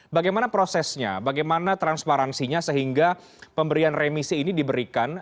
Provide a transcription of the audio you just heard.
bagaimana prosesnya bagaimana transparansinya sehingga pemberian remisi ini diberikan